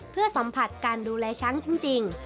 เพื่อสัมผัสการดูแลช้างจริง